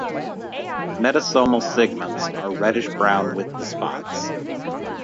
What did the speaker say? Metasomal segments are reddish brown with the spots.